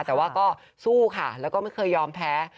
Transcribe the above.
แต่ว่าก็สู้ค่ะแล้วก็ไม่เคยยอมแพ้